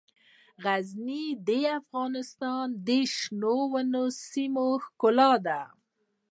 غزني د افغانستان د شنو سیمو ښکلا ده.